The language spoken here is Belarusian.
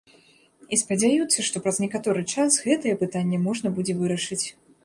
І спадзяюцца, што праз некаторы час гэтае пытанне можна будзе вырашыць.